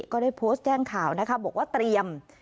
ก็ได้โพสต์แจ้งข่าวนะคะบอกว่าเตรียม